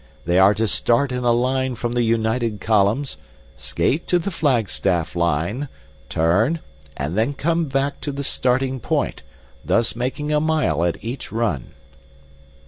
They are to start in a line from the united columns, skate to the flagstaff line, turn, and then come back to the starting point, thus making a mile at each run."